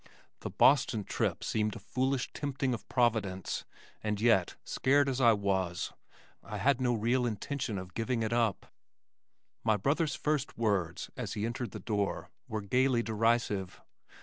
The Boston trip seemed a foolish tempting of Providence and yet, scared as I was, I had no real intention of giving it up. My brother's first words as he entered the door, were gayly derisive.